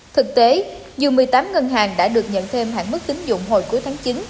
thực tế dù một mươi tám ngân hàng đã được nhận thêm hạn mức tính dụng hồi cuối tháng chín